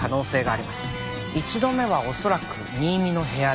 一度目は恐らく新見の部屋で。